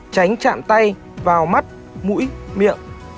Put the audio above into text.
tránh chạm tay vào mắt mũi miệng